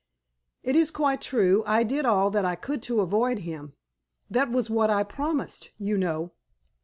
"It is quite true. I did all that I could to avoid him. That was what I promised, you know."